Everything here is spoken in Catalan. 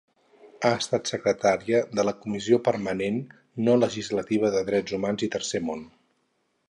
Ha estat secretària de la Comissió Permanent no legislativa de Drets Humans i Tercer Món.